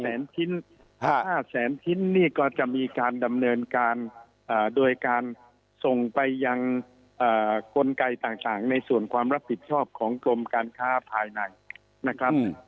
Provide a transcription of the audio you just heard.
แสนชิ้น๕แสนชิ้นนี่ก็จะมีการดำเนินการโดยการส่งไปยังกลไกต่างในส่วนความรับผิดชอบของกรมการค้าภายในนะครับ